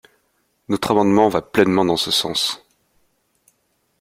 Notre amendement va pleinement dans ce sens.